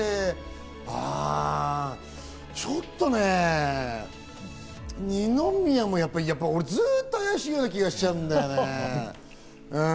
ちょっとね、二宮もやっぱり俺ずっとあやしいような気がするんだよね。